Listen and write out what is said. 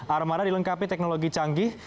armada dilengkapi teknologi canggih